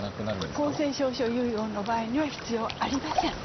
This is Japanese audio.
公正証書遺言の場合には必要ありません。